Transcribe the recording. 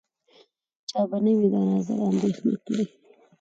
چا به نه وي د نظر اندېښنه کړې